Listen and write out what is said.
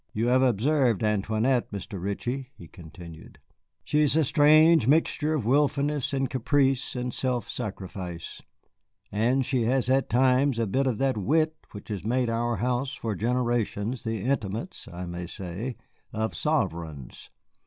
"You have observed Antoinette, Mr. Ritchie," he continued; "she is a strange mixture of wilfulness and caprice and self sacrifice, and she has at times a bit of that wit which has made our house for generations the intimates I may say of sovereigns."